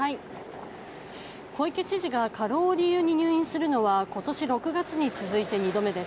小池知事が過労を理由に入院するのは今年６月に続いて２度目。